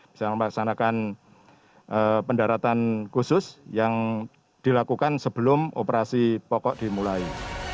bisa melaksanakan pendaratan khusus yang dilakukan sebelum operasi pokok dimulai